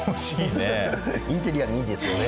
インテリアにいいですよね。